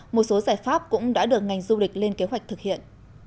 một số giải pháp cũng đã được ngành du lịch lên kế hoạch thực hiện